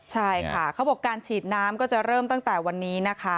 ใช่ค่ะเขาบอกการฉีดน้ำก็จะเริ่มตั้งแต่วันนี้นะคะ